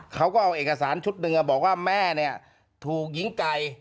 เขาก็เอาเอกสารชุดหนึ่งบอกว่าแม่เนี่ยถูกหญิงไก่